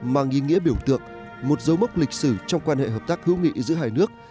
mang ý nghĩa biểu tượng một dấu mốc lịch sử trong quan hệ hợp tác hữu nghị giữa hai nước